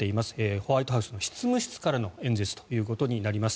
ホワイトハウスの執務室からの演説ということになります。